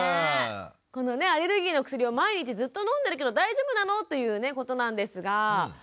このアレルギーのお薬を毎日ずっと飲んでるけど大丈夫なの？ということなんですが。